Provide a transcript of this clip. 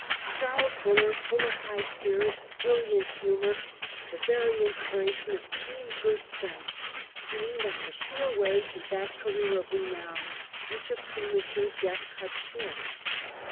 Charles Buller, full of high spirits, brilliant humour, and the very inspira tion of keen good sense, seemed on the sure way to that career of renown which a premature death cut short.